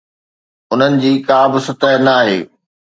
انهن جي ڪا به سطح ناهي.